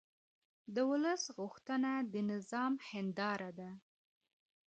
د ولس غوښتنې د نظام هنداره ده